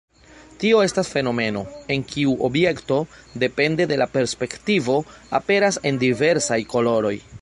Tio estas fenomeno, en kiu objekto, depende de la perspektivo, aperas en diversaj koloroj.